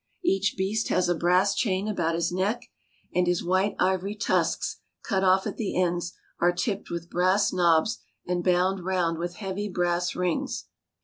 Each beast has a brass chain about his neck, and his white ivory tusks, cut off at the ends, are tipped with brass knobs and bound round with heavy brass rings.